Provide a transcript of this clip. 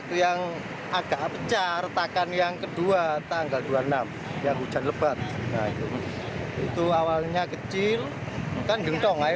sini ya kan di bawah ada jalur kereta jalan raya jalan lumpur